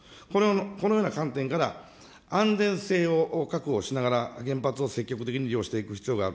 このような観点から、安全性を確保しながら、原発を積極的に利用していく必要がある。